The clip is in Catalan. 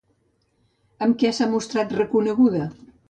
Amb què s'ha mostrat reconeguda?